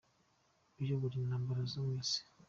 Niwe uyobora Intambara zo mu isi.